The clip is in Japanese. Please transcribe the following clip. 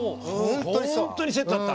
本当にセットだった！